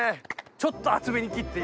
ちょっと厚めに切って。